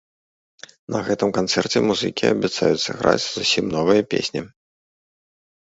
На гэтым канцэрце музыкі абяцаюць сыграць зусім новыя песні.